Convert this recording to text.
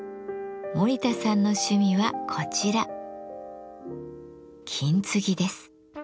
森田さんの趣味はこちら金継ぎです。